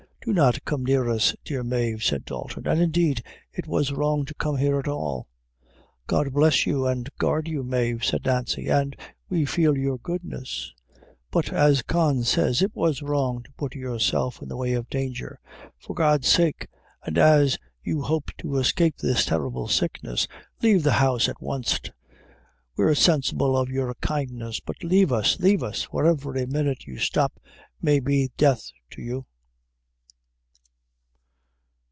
"Do not come near us, dear Mave," said Dalton, "and, indeed, it was wrong to come here at all." "God bless you, an' guard you, Mave," said Nancy, "an' we feel your goodness; but as Con says, it was wrong to put yourself in the way of danger. For God's sake, and as you hope to escape this terrible sickness, lave the house at wanst. We're sensible of your kindness but lave us lave us for every minute you stop, may be death to you."